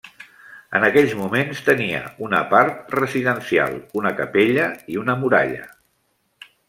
En aquells moments tenia una part residencial, una capella i una muralla.